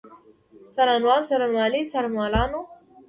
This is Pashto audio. څارنوال، څارنوالي، څارنوالانو.